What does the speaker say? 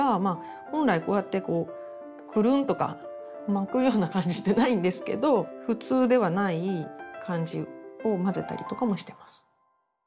本来こうやってこうクルンとか巻くような感じでないんですけど普通ではない感じをまぜたりとかもしてます。